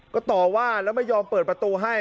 ก็ต่อว่าแล้วไม่ยอมเปิดประตูให้